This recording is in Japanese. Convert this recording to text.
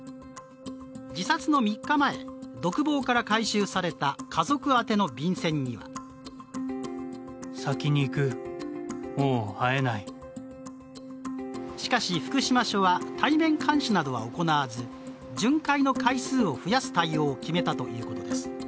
自殺の３日前、独房から回収された家族宛ての便箋にはしかし、福島署は、対面監視などは行わず、巡回の回数を増やす対応を決めたということです。